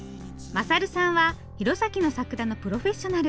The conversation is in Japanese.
勝さんは弘前の桜のプロフェッショナル。